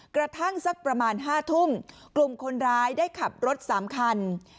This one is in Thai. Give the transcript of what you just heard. กระทั่งสักประมาณ๕ทุ่มกลุ่มคนร้ายได้ขับรถ๓คัน